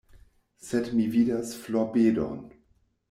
Sed mi vidas florbedon.